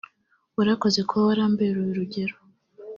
warakoze kuba warambereye urugero